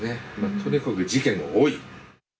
とにかく事件が多い。